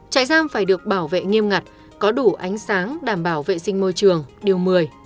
trại giam phải được bảo vệ nghiêm ngặt có đủ ánh sáng đảm bảo vệ sinh môi trường điều một mươi